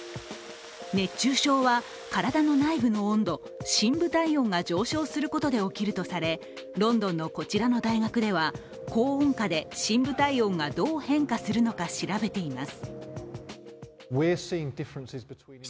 熱中症は体の内部の温度、深部体温が上昇することで起きるとされ、ロンドンのこちらの大学では高温下で深部体温がどう変化するのか調べています。